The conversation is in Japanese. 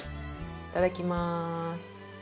いただきます。